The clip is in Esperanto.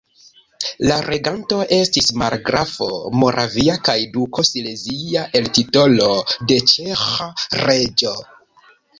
La reganto estis margrafo moravia kaj duko silezia el titolo de ĉeĥa reĝo.